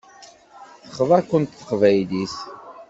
Texḍa-ken teqbaylit.